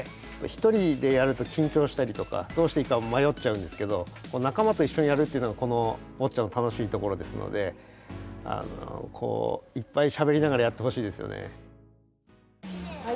１人でやると緊張したりとかどうしていいかまよっちゃうんですけどなかまといっしょにやるっていうのがこのボッチャの楽しいところですのでこういっぱいしゃべりながらやってほしいですよね。